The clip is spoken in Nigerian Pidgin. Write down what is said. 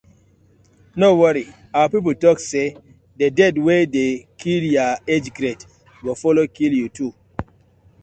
No worry, our pipu tok say di death wey di kill yah age grade go follow kill yu too.